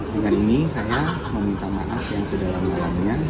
dengan ini saya meminta maaf yang sudah dalam kehadirannya